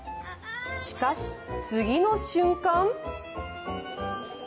しかし、次の瞬間。